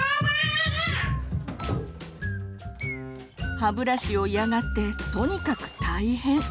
歯ブラシを嫌がってとにかく大変。